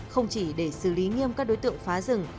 không chỉ để xử lý nghiêm các đối tượng phá rừng